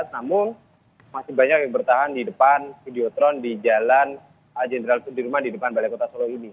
namun masih banyak yang bertahan di depan videotron di jalan jenderal sudirman di depan balai kota solo ini